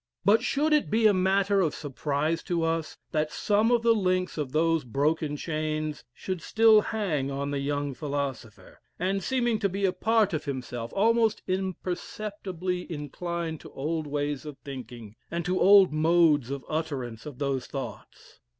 But should it be a matter of surprise to us that some of the links of those broken chains should still hang on the young philosopher, and, seeming to be a part of himself, almost imperceptibly incline to old ways of thinking, and to old modes of utterance of those thoughts!